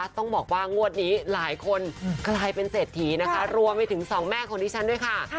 ต้องบอกว่างวดนี้หลายคนกลายเป็นเศรษฐีนะคะรวมไปถึงสองแม่ของดิฉันด้วยค่ะ